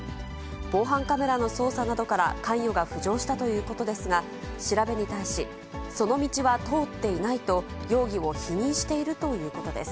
防犯カメラの捜査などから、関与が浮上したということですが、調べに対し、その道は通っていないと、容疑を否認しているということです。